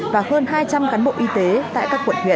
và hơn hai trăm linh cán bộ y tế tại các quận huyện